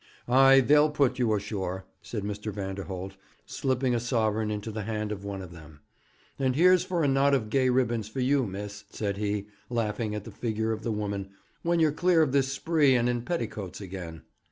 'Ay, they'll put you ashore,' said Mr. Vanderholt, slipping a sovereign into the hand of one of them; 'and here's for a knot of gay ribbons for you, miss,' said he, laughing at the figure of the woman, 'when you're clear of this spree, and in petticoats again.'